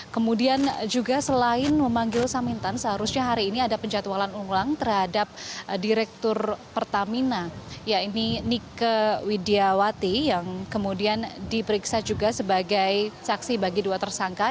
kemudian juga selain memanggil samintan seharusnya hari ini ada penjatualan ulang terhadap direktur pertamina ya ini nike widiawati yang kemudian diperiksa juga sebagai saksi bagi dua tersangka